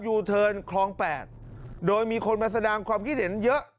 ยูเทิร์นคลองแปดโดยมีคนมาแสดงความคิดเห็นเยอะ